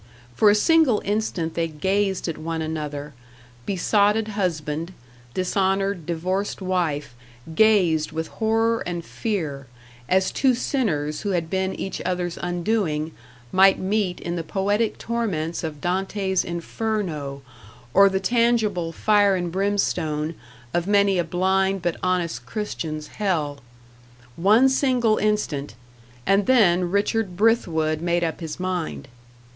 For a single instant they gazed at one another besotted husband, dishonoured, divorced wife gazed with horror and fear, as two sinners who had been each other's undoing, might meet in the poetic torments of Dante's "Inferno," or the tangible fire and brimstone of many a blind but honest Christian's hell. One single instant, and then Richard Brithwood made up his mind.